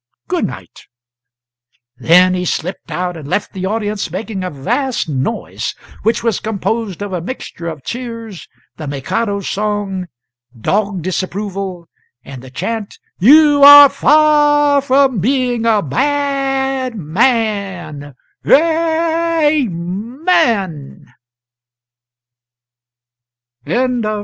Good night." Then he slipped out, and left the audience making a vast noise, which was composed of a mixture of cheers, the "Mikado" song, dog disapproval, and the chant, "You are f a r from being a b a a d man a a a a men!"